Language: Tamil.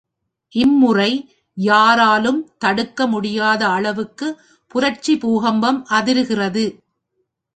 இம்முறை யாராலும் தடுக்க முடியாத அளவுக்கு புரட்சி பூகம்பம் அதிருகிறது.